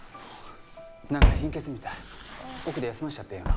何か貧血みたい奥で休ませちゃってええよな？